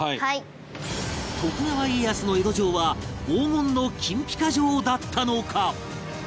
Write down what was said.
徳川家康の江戸城は黄金の金ピカ城だったのか？